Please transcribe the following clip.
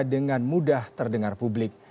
dengan mudah terdengar publik